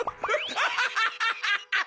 アハハハ！